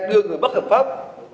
đưa người bắt hợp pháp